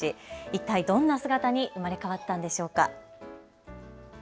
一体どんな姿に生まれ変わったんでしょうか。